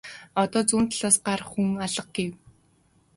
Одоо зүүн талаас гарах хүн алга гэв.